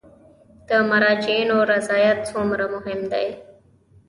د مراجعینو رضایت څومره مهم دی؟